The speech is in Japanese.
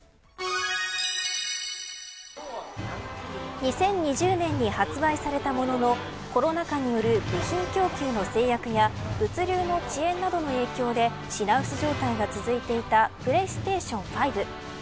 ２０２０年に発売されたもののコロナ禍による部品供給の制約や物流の遅延などの影響で品薄が続いていたプレイステーション５。